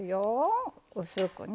薄くね。